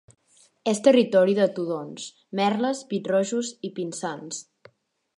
És territori de tudons, merles, pit-rojos i pinsans.